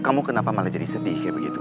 kamu kenapa malah jadi sedih kayak begitu